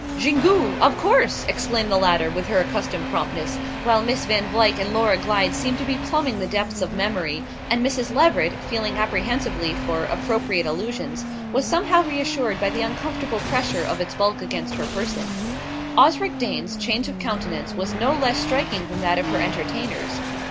"Xingu, of course!" exclaimed the latter with her accustomed promptness, while Miss Van Vluyck and Laura Glyde seemed to be plumbing the depths of memory, and Mrs. Leveret, feeling apprehensively for Appropriate Allusions, was somehow reassured by the uncomfortable pressure of its bulk against her person. Osric Dane's change of countenance was no less striking than that of her entertainers.